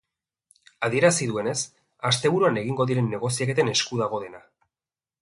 Adierazi duenez, asteburuan egingo diren negoziaketen esku dago dena.